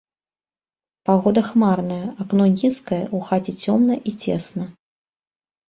Пагода хмарная, акно нізкае, у хаце цёмна і цесна.